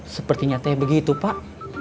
sepertinya teh begitu pak